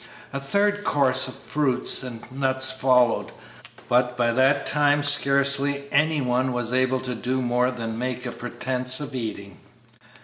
A third course of fruits and nuts followed, but by that time scarcely any one was able to do more than make a pretence of eating.